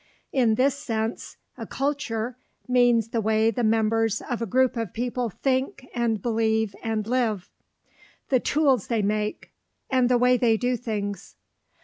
In this sense, a CULTURE means the way the members of a group of people think and believe and live, the tools they make, and the way they do things.